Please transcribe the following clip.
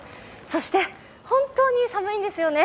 そして本当に寒いんですよね。